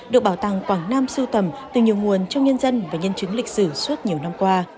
được bảo tàng quảng nam sưu tầm từ nhiều nguồn trong nhân dân và nhân chứng lịch sử suốt nhiều năm qua